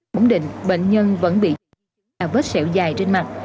mũn định bệnh nhân vẫn bị chạy và vết sẹo dài trên mặt